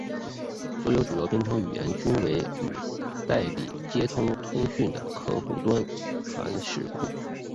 所有主要的编程语言均有与代理接口通讯的客户端函式库。